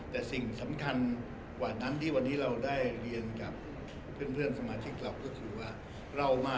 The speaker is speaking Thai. แต่สิ่งสำคัญต่อสิ่งที่เราได้เรียนกับเพื่อนหมอสมาชิกเรา